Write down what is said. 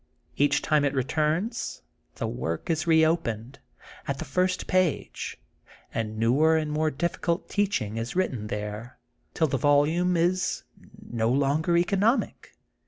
Each time it returns the work is re opened, at the first page, and newer and more difficult teaching is written there, till the volume is no longer economic.